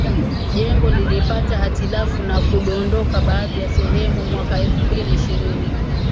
Jengo lilipata hitilafu na kudondoka baadhi ya sehemu mwaka elfu mbili na ishirini